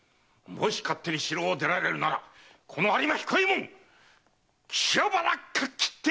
もし勝手に城を出られるならこの有馬彦右衛門皺腹かき切って！